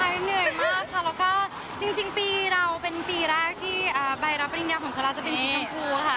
เหนื่อยมากค่ะแล้วก็จริงปีเราเป็นปีแรกที่ใบรับปริญญาของชะลาจะเป็นสีชมพูค่ะ